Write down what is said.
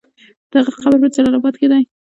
د هغه قبر په جلال اباد کې دی.